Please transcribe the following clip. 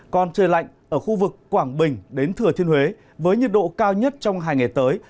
còn trời lạnh ở khu vực quảng bình đến thừa thiên huế với nhiệt độ cao nhất trong hai ngày tới